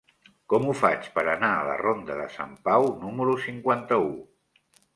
Com ho faig per anar a la ronda de Sant Pau número cinquanta-u?